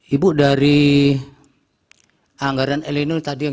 ibu dari anggaran el nino tadi yang